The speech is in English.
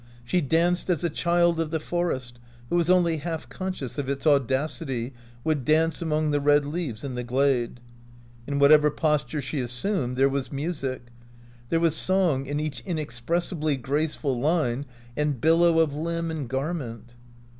She danced as a child of the forest, who was only half conscious of its audacity, would dance among the red leaves in the glade. In whatever posture she assumed there was music. There was song in each inexpressibly graceful line and billow of limb and garment.